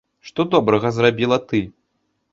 Што добрага зрабіла ты?